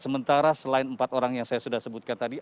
sementara selain empat orang yang saya sudah sebutkan tadi